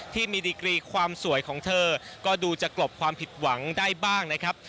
ดีกรีความสวยของเธอก็ดูจะกลบความผิดหวังได้บ้างนะครับ